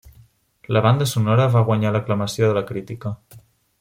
La banda sonora va guanyar l'aclamació de la crítica.